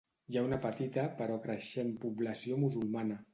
Hi ha una petita però creixent població musulmana.